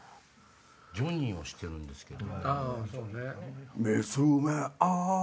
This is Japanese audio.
「ジョニー」は知ってるんですけど。